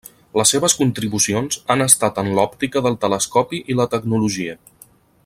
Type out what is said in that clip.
Les seves contribucions han estat en l'òptica del telescopi i la tecnologia.